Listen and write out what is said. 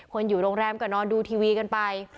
อยู่โรงแรมก็นอนดูทีวีกันไป